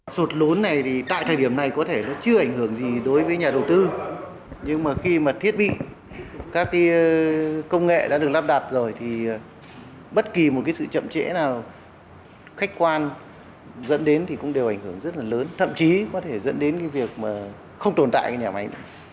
sụt lún này thì tại thời điểm này có thể nó chưa ảnh hưởng gì đối với nhà đầu tư nhưng mà khi mà thiết bị các công nghệ đã được lắp đặt rồi thì bất kỳ một sự chậm trễ nào khách quan dẫn đến thì cũng đều ảnh hưởng rất là lớn thậm chí có thể dẫn đến cái việc mà không tồn tại nhà máy